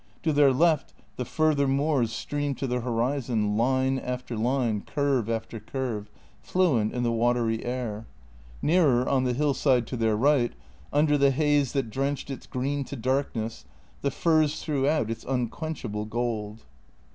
To their left the further moors streamed to the horizon, line after line, curve after curve, fluent in the watery air. Nearer, on the hillside to their right, under the haze that drenched its green to darkness, the furze threw out its unquenchable gold.